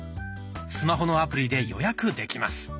スマホのアプリで予約できます。